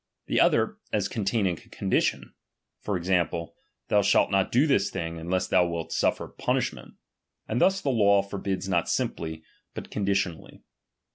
The other, as containing a condition, ■ for example, thou shalt not do this thing, unless B thou wilt suffer punishment ; and thus the law ^L forbids not simply, but conditionally.